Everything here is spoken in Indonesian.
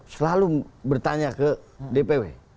selalu bertanya ke dpw